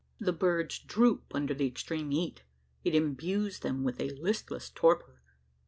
The birds droop under the extreme heat. It imbues them with a listless torpor.